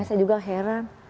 saya juga heran